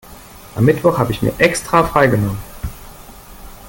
Am Mittwoch habe ich mir extra freigenommen.